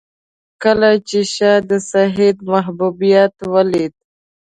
کله چې شاه د سید محبوبیت ولید.